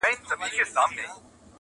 نور څه نسته هغه سپی دی او دی خر دی!!